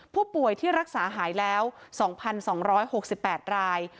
ผู้ป่วยที่รักษาหายแล้ว๒๒๖๘ราย